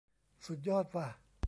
สุดยอดว่ะ